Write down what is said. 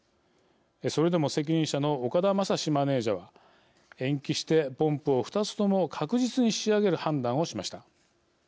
それでも責任者の岡田まさしマネージャーは延期してポンプを２つとも確実に仕上げる判断をしました。